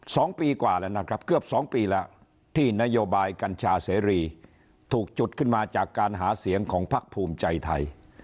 สองปีกว่าแล้วนะครับเกือบสองปีแล้วที่นโยบายกัญชาเสรีถูกจุดขึ้นมาจากการหาเสียงของพักภูมิใจไทย